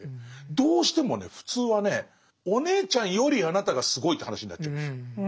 どうしてもね普通はねお姉ちゃんよりあなたがすごいって話になっちゃうんですよ。